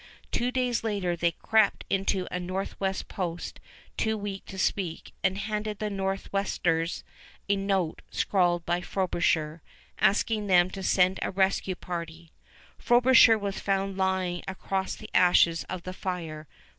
Two days later they crept into a Northwest post too weak to speak, and handed the Northwesters a note scrawled by Frobisher, asking them to send a rescue party. Frobisher was found lying across the ashes of the fire.